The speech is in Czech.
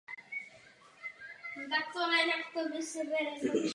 Tato vlajka nebyla mezinárodně uznávána.